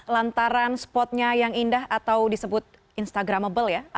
lantaran spotnya yang indah atau disebut instagramable ya